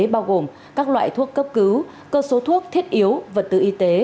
bao gồm các loại thuốc cấp cứu cơ số thuốc thiết yếu vật tư y tế